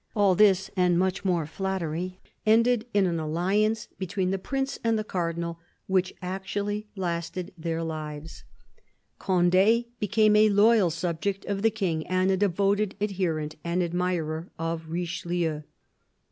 All this and much more flattery ended in an alliance between the Prince and the Cardinal, which actually lasted their lives. Cond6 I70 CARDINAL DE RICHELIEU became a loyal subject of the King and a devoted adherent and admirer of Richelieu.